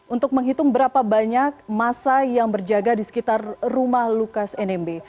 untuk menghitung berapa banyak masa yang berjaga di sekitar rumah lukas nmb